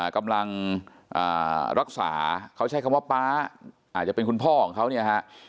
กำลังรักษาเขาใช้คำว่าป๊าอาจจะเป็นคุณพ่อของเขาเนี่ยฮะ